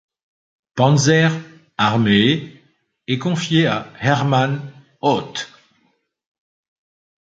Panzer-Armee est confié à Hermann Hoth.